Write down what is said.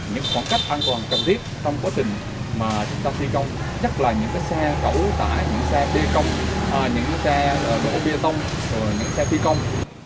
những khoảng cách an toàn cần thiết trong quá trình mà chúng ta thi công nhất là những xe cẩu tải những xe bê công những xe đổ bê tông những xe phi công